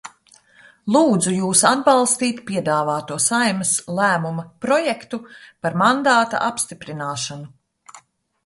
Lūdzu jūs atbalstīt piedāvāto Saeimas lēmuma projektu par mandāta apstiprināšanu.